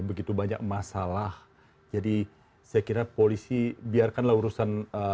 begitu banyak masalah jadi saya kira polisi biarkanlah urusan